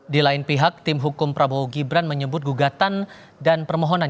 di lain pihak tim hukum prabowo gibran menyebut gugatan dan permohonan